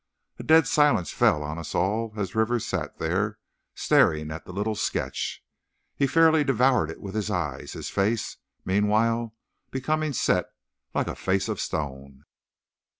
A dead silence fell on us all as Rivers sat there staring at the little sketch. He fairly devoured it with his eyes, his face, meanwhile, becoming set, like a face of stone.